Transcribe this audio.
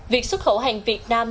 việc xuất khẩu hàng việt nam